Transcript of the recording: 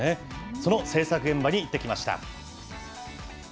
その制作現場に行ってきました。